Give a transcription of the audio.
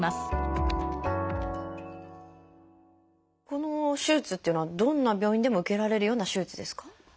この手術っていうのはどんな病院でも受けられるような手術ですか？